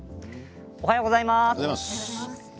おはようございます。